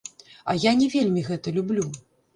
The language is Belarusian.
А я не вельмі гэта люблю.